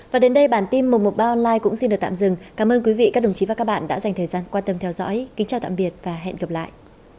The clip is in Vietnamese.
và đến đây bản tin một trăm một mươi ba online cũng xin được tạm dừng cảm ơn quý vị các đồng chí và các bạn đã dành thời gian quan tâm theo dõi kính chào tạm biệt và hẹn gặp lại